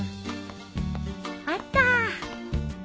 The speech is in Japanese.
あった。